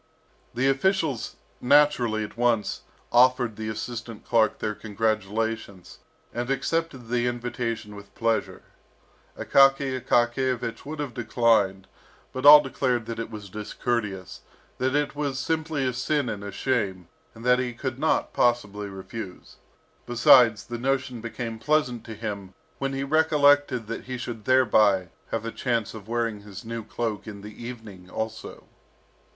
The officials naturally at once offered the assistant clerk their congratulations, and accepted the invitation with pleasure. Akaky Akakiyevich would have declined; but all declared that it was discourteous, that it was simply a sin and a shame, and that he could not possibly refuse. Besides, the notion became pleasant to him when he recollected that he should thereby have a chance of wearing his new cloak in the evening also.